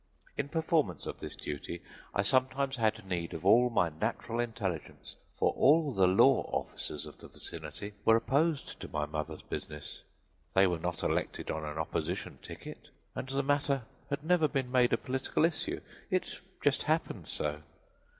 In performance of this duty I sometimes had need of all my natural intelligence for all the law officers of the vicinity were opposed to my mother's business. They were not elected on an opposition ticket, and the matter had never been made a political issue; it just happened so.